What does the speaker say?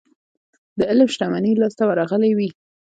د علم شتمني يې لاسته ورغلې وي.